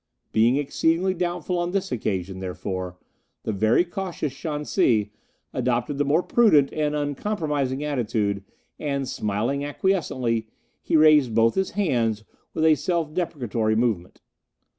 Being exceedingly doubtful on this occasion, therefore, the very cautious Shan se adopted the more prudent and uncompromising attitude, and smiling acquiescently, he raised both his hands with a self deprecatory movement.